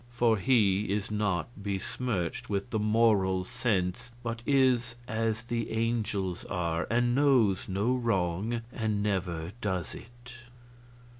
For he is not besmirched with the Moral Sense, but is as the angels are, and knows no wrong, and never does it."